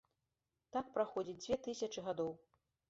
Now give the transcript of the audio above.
Так праходзіць дзве тысячы гадоў.